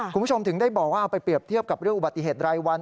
คุณผู้ชมถึงได้บอกว่าเอาไปเปรียบเทียบกับเรื่องอุบัติเหตุรายวัน